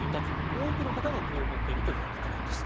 多くの人がこう思っているということです。